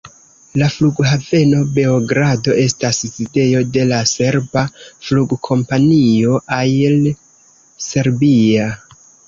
La Flughaveno Beogrado estas sidejo de la serba flugkompanio, Air Serbia.